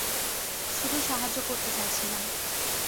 শুধু সাহায্য করতে চাইছিলাম।